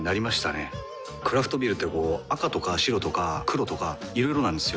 クラフトビールってこう赤とか白とか黒とかいろいろなんですよ。